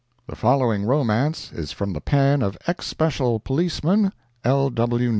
The following romance is from the pen of ex special policeman L. W.